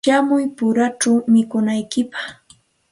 Shamuy puruchaw mikunantsikpaq.